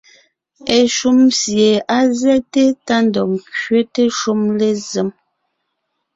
Eshúm sie á zɛ́te tá ńdɔg ńkẅéte shúm lézém.